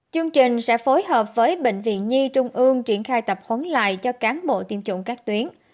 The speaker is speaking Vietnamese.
chương trình sẽ phối hợp với bệnh viện nhi trung ương triển khai tập huấn lại cho cán bộ tiêm chủng các tuyến